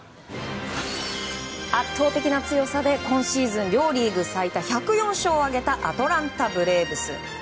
圧倒的な強さで今シーズン、両リーグ最多１０４勝を挙げたアトランタ・ブレーブス。